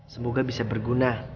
semoga bisa berguna